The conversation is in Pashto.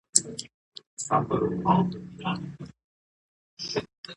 قانون د اداري واک حدود ټاکي.